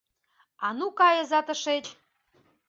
А ну кайыза тышеч!